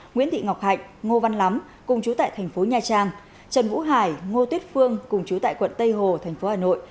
nguyễn thị ngọc hạnh ngô văn lắm cùng chú tại thành phố nha trang trần vũ hải ngô tuyết phương cùng chú tại quận tây hồ thành phố hà nội